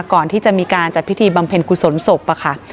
ก่อนที่จะมีการจัดพิธีบำเพ็ญกุศลศพอะค่ะ